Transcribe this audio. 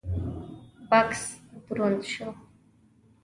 بکس دروند شو: